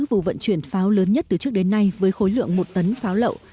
vụ vận chuyển pháo lớn nhất từ trước đến nay với khối lượng một tấn pháo lậu